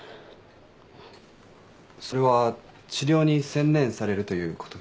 それは治療に専念されるということですか？